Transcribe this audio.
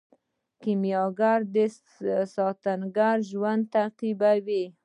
کیمیاګر د سانتیاګو ژوند تعقیبوي.